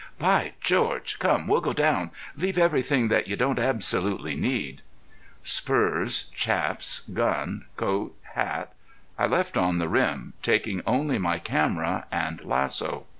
By George! Come, we'll go down. Leave everything that you don't absolutely need." Spurs, chaps, gun, coat, hat, I left on the rim, taking only my camera and lasso.